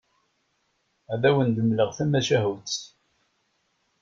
Ad awen-d-mleɣ tamacahut.